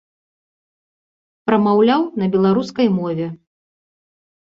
Прамаўляў на беларускай мове.